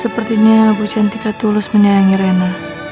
sepertinya bu cantika tulus menyayangi reina